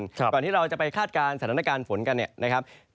ก่อนที่เราจะไปคาดการณ์สถานการณ์ฝนกันเนี่ยนะครับ